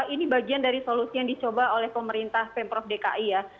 ini bagian dari solusi yang dicoba oleh pemerintah pemprov dki ya